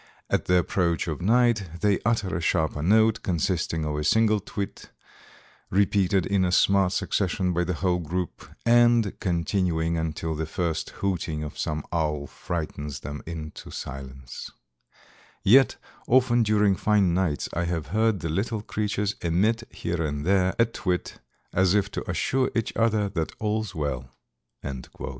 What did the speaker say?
At the approach of night they utter a sharper note, consisting of a single twit, repeated in a smart succession by the whole group, and continuing until the first hooting of some owl frightens them into silence. Yet, often during fine nights I have heard the little creatures emit, here and there, a twit, as if to assure each other that all's well." [Illustration: WHITE THROATED SPARROW. (Zonotrichia albicollis.) About Life size.